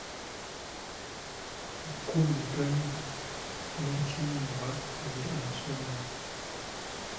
Enkuba etonnya n’ekyayibwa nze nsoberwa.